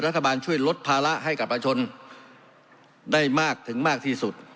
รัฐบาลช่วยลดภาระให้กับประชนได้มากถึงมากที่สุด